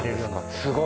すごい！